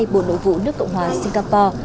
bộ nội vụ nước cộng hòa singapore